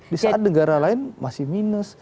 di saat negara lain masih minus